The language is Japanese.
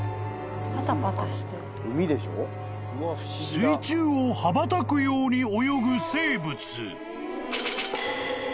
［水中を羽ばたくように泳ぐ生物］